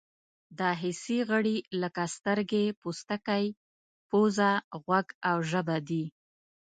دا حسي غړي لکه سترګې، پوستکی، پزه، غوږ او ژبه دي.